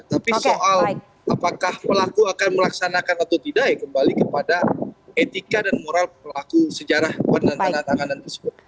tapi soal apakah pelaku akan melaksanakan atau tidak ya kembali kepada etika dan moral pelaku sejarah penantangan tersebut